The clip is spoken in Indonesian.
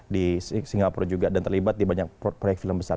di singapura juga dan terlibat di banyak proyek film besar